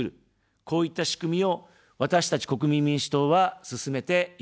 こういった仕組みを、私たち国民民主党は進めていきます。